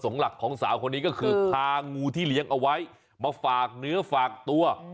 หลักของสาวคนนี้ก็คือพางูที่เลี้ยงเอาไว้มาฝากเนื้อฝากตัว